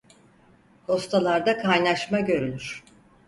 Kostalarda kaynaşma görülür.